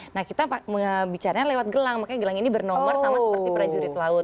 nah kita bicaranya lewat gelang makanya gelang ini bernomor sama seperti prajurit laut